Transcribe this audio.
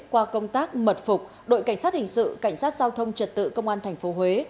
qua công tác mật phục đội cảnh sát hình sự cảnh sát giao thông trật tự công an tp huế